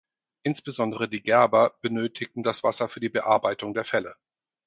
Insbesondere die Gerber benötigten das Wasser für die Bearbeitung der Felle.